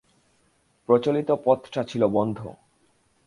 প্রচলিত পথটা ছিল বন্ধ।